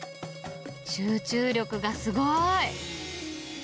集中力がすごい。